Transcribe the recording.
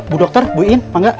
bu dokter bu in manga